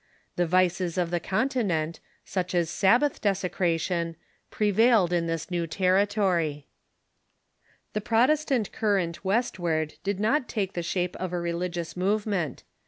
The vices of the Continent, such as Sab bath desecration, prevailed in this new territory. EXPANSION^ IN THE SOUTH AND WEST 507 The Protestant current westward did not take the shape of a religious movement.